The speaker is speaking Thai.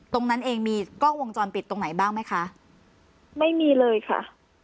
ตรงนั้นเองมีกล้องวงจรปิดตรงไหนบ้างไหมคะไม่มีเลยค่ะ